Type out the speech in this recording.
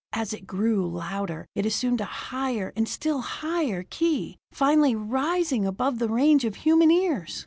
As it grew louder, it assumed a higher and still higher key, finally rising above the range of human ears.